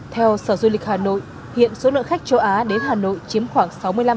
theo sở du lịch hà nội hiện số lượng khách châu á đến hà nội chiếm khoảng sáu mươi năm